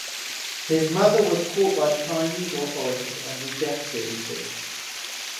His mother was caught by Chinese authorities and repatriated.